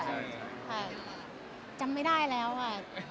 อ่ะจำไม่ได้เลยว่ะ